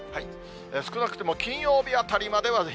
少なくとも金曜日あたりまでは広